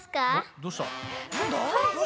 どうした？